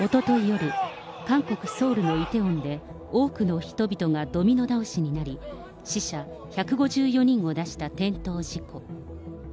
夜、韓国・ソウルのイテウォンで、多くの人々がドミノ倒しになり、死者１５４人を出した転倒事故。